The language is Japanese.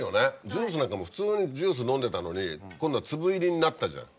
ジュースなんかも普通にジュース飲んでたのに今度は粒入りになったじゃん。